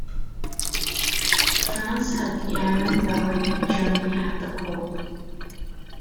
France had the iron ore and Germany had the coal.